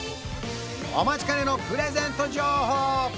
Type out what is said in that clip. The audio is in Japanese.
お待ちかねのプレゼント情報